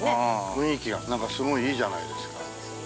雰囲気がなんかすごいいいじゃないですか。